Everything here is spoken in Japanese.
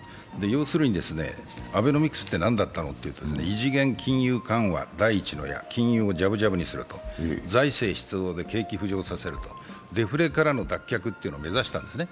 要するに、アベノミクスって何だったのっていうと異次元金融緩和、第一に金融をジャブジャブにする、財政出動で景気を浮上させると、デフレからの脱却というのを目指したんですね。